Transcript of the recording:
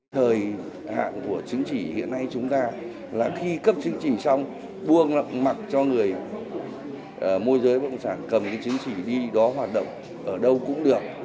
thời hạn của chứng chỉ hiện nay chúng ta là khi cấp chứng chỉ xong buông mặc cho người môi giới bất động sản cầm chứng chỉ đi đó hoạt động ở đâu cũng được